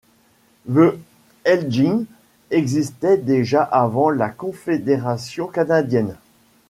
The Elgins existaient déjà avant la Confédération canadienne.